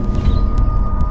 tidak ada satu